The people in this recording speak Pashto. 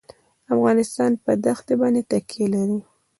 افغانستان په دښتې باندې تکیه لري.